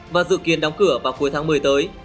và dự kiến đóng cửa vào cuối tháng một mươi tới